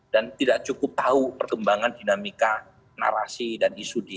tidak cukup tahu perkembangan dinamika narasi dan isu di